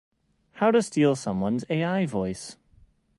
How to steal someone's ai voice